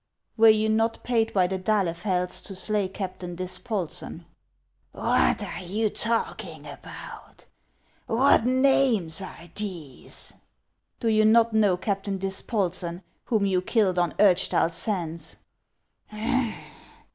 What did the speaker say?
" Were you not paid by the d'Ahlefelds to slay Captain Dispolsen ?"" What are you talking about ? What names are these ?"" Do you not know Captain Dispolsen, whom you killed on Urchtal Sands ?